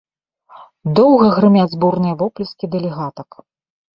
Доўга грымяць бурныя воплескі дэлегатак.